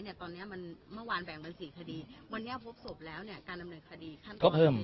ตอนเนี้ยมันเมื่อวานแบ่งเป็น๔คดีวันนี้พบศพแล้วเนี่ยการดำเนินคดีขั้นตอน